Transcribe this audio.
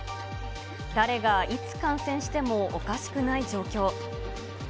誰がいつ感染してもおかしくない状況。